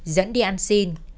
dẫn đi ăn xin